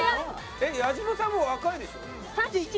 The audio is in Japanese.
えっ矢島さんも若いでしょ？